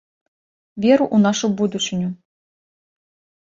Веру ў нашу будучыню!